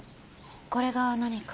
これが何か？